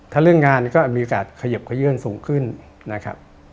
ถ้าเรื่องงานก็มีโอกาสเขยิบขยื่นสูงขึ้นนะครับ